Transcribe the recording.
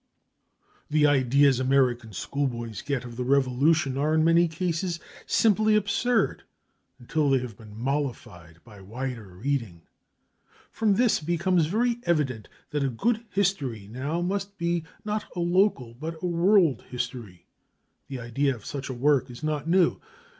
The ideas American school boys get of the Revolution are in many cases simply absurd, until they have been modified by wider reading. From this it becomes very evident that a good history now must be, not a local, but a world history. The idea of such a work is not new.